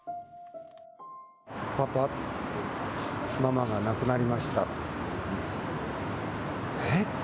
パパ、ママが亡くなりましたって。